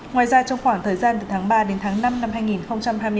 ngoài ra trong khoảng thời gian từ tháng ba đến tháng năm năm hai nghìn hai mươi bốn